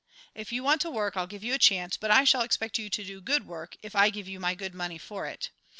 If you want to work I'll give you a chance, but I shall expect you to do good work if I give you my good money for it.